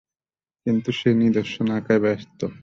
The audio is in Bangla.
কিন্তু সে নিদর্শন আঁকায় ব্যস্ত।